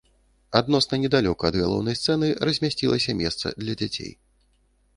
Адносна недалёка ад галоўнай сцэны размясцілася месца для дзяцей.